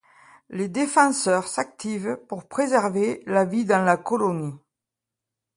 Les défenseurs s’activent pour préserver la vie dans la colonie.